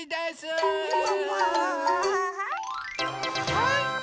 はい。